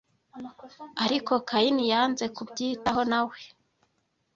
Ariko Kayini yanze kubyitaho nawe